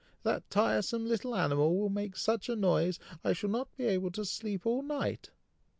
"That tiresome little animal will make such a noise, I shall not be able to sleep all night!"